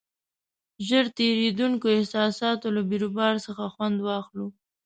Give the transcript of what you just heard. ژر تېرېدونکو احساساتو له بیروبار څخه خوند واخلو.